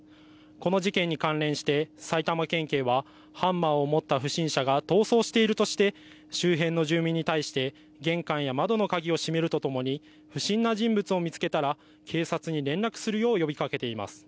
この事件に関連して埼玉県警はハンマーを持った不審者が逃走しているとして周辺の住民に対して玄関や窓の鍵を閉めるとともに不審な人物を見つけたら警察に連絡するよう呼びかけています。